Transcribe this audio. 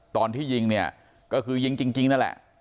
ตอนที่ยิงเนี่ยก็คือยิงจริงนั่นแหละ